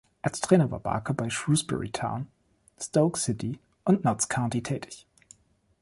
Als Trainer war Barker bei Shrewsbury Town, Stoke City und Notts County tätig.